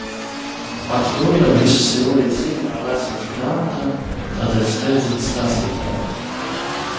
Ak to jau visu Silvija zina no vēstures grāmatām, tādēļ steidzina stāstītāju.